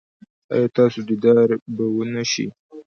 ایا ستاسو دیدار به و نه شي؟